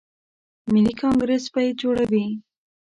ملي کانګریس به یې جوړوي.